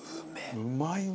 うまいな！